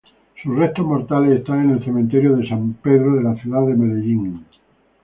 Sus restos mortales están en el cementerio San Pedro de la ciudad de Medellín.